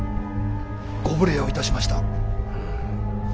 ご無礼をいたしました。